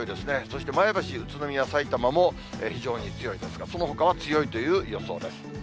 そして、前橋、宇都宮、さいたまも非常に強いですから、そのほかは強いという予想です。